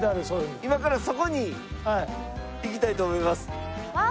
今からそこに行きたいと思います。